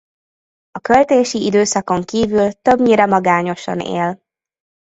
A költési időszakon kívül többnyire magányosan él.